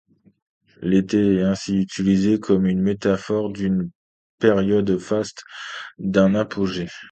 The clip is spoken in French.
L'été est ainsi utilisé comme une métaphore d’une période faste, d’un apogée.